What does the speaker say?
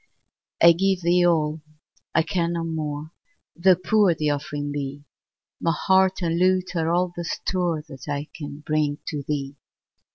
I give thee all I can no more Tho' poor the offering be; My heart and lute are all the store That I can bring to thee.